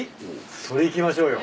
それいきましょうよ。